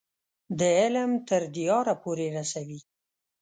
د علم تر دیاره پورې رسوي.